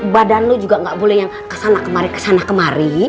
badan lo juga gak boleh yang kesana kemari kesana kemari